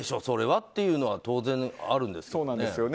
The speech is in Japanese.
それはっていうのは当然あるんですけど。